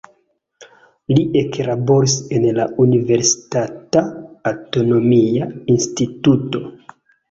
Li eklaboris en la universitata anatomia instituto.